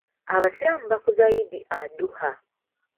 Abasiraamu bakuza Eid Adhuha.